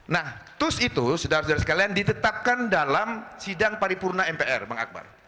nah tus itu sudah sudah sekalian ditetapkan dalam sidang paripurna mpr bang akbar